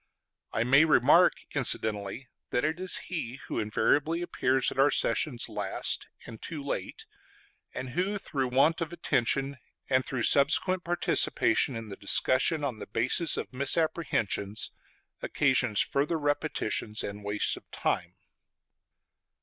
I may remark incidentally that it is he who invariably appears at our sessions last, and too late; and who, through want of attention and through subsequent participation in the discussion on the basis of misapprehensions, occasions further repetitions and waste of time.